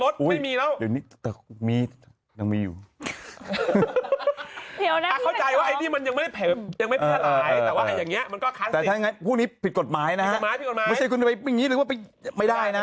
แต่ถ้างี้ผิดกฎหมายนะฮะ